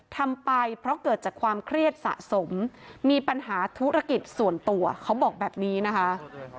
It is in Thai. ทำไปเพราะเกิดจากความเครียดสะสมมีปัญหาธุรกิจส่วนตัวเขาบอกแบบนี้นะคะ